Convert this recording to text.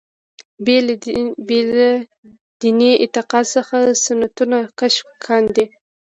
بې له دیني اعتقاد څخه سنتونه کشف کاندي.